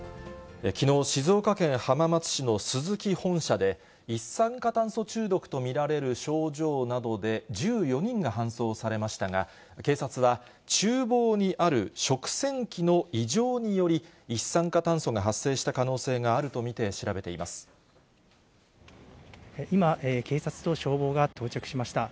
きのう、静岡県浜松市のスズキ本社で、一酸化炭素中毒と見られる症状などで１４人が搬送されましたが、警察は、ちゅう房にある食洗機の異常により、一酸化炭素が発生した可能性今、警察と消防が到着しました。